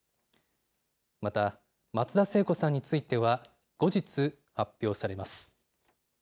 また松田聖子さんについては後日発表されます。